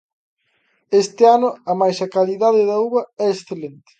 Este ano amais a calidade da uva é excelente.